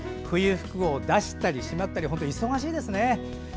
冬服を出したりしまったり忙しいですね。